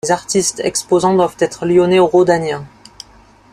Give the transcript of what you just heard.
Les artistes exposants doivent être lyonnais ou rhodaniens.